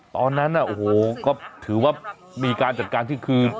ตอนนั้นโอ้โหก็ถือว่ามีการจัดการที่คือ